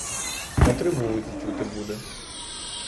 На три вулиці чути буде.